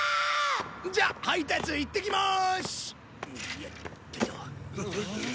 じゃ配達行ってきまーす。